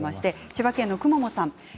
千葉県の方からです。